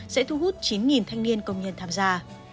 sẽ thu hút chín thanh niên công nhân tham gia